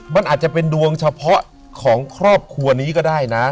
มันอาจจะเป็นดวงเฉพาะของครอบครัวนี้ก็ได้นะ